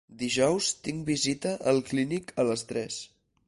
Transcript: Dijous tinc visita al clínic a les tres.